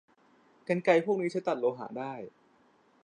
กรรไกรพวกนี้ใช้ตัดโลหะได้